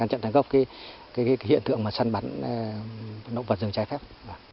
các hiện tượng sán bắn động vật rừng trái phép